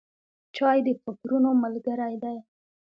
چای د فکرونو ملګری دی.